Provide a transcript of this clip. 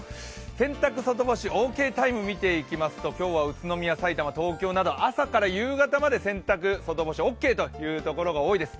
洗濯外干しオーケータイムを見ていきますと宇都宮、さいたま、東京、千葉、朝から夕方まで洗濯、外干しオーケーというところが多いです。